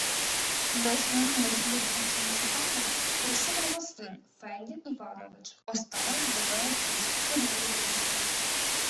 На зміну «смердючому» Іванові прийшов його син – Федір Іванович, останній із роду московських Рюриковичів